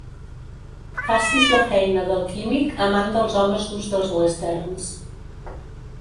Facis la feina del químic amant dels homes durs dels westerns.